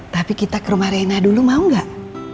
tapi kita ke rumah reina dulu mau enggak